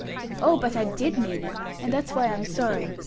"Oh, but I did mean it, and that's why I'm sorry.